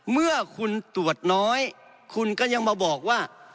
เมื่อคุณตรวจน้อยคุณก็ยังมาบอกว่า